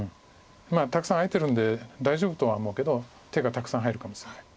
たくさん空いてるんで大丈夫とは思うけど手がたくさん入るかもしれない。